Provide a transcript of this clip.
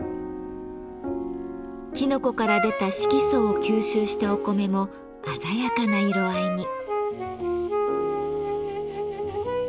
きのこから出た色素を吸収したお米も鮮やかな色合いに。